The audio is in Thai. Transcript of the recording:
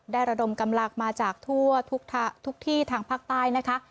ระดมกำลังมาจากทั่วทุกที่ทางภาคใต้นะคะ